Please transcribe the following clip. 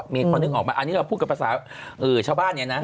มีคนนึกออกมาอันนี้เราพูดกับภาษาชาวบ้านเนี่ยนะ